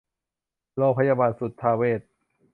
โรงพยาบาลสุทธาเวช